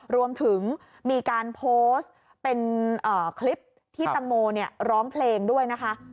รวมถึงมีการโพสต์เป็นคลิปที่ตังโมร้องเพลงด้วยนะคะ